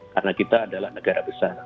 karena kita adalah negara besar